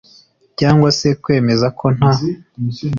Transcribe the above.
cyangwa se kwemezako nta